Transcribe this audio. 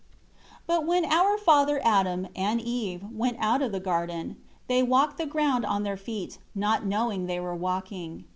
1 But when our father Adam, and Eve, went out of the garden, they walked the ground on their feet, not knowing they were walking.